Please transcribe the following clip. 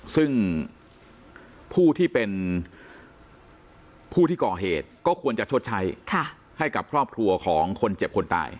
ซึ่งผู้ที่เป็นผู้ที่ก่อเหตุก็ควรจะชดใช้ให้กับครอบครัวของคนเจ็บคนตาย